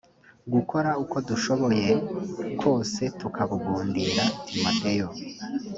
gukora uko dushoboye kose tukabugundira timoteyo